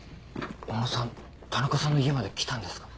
小野さん田中さんの家まで来たんですか？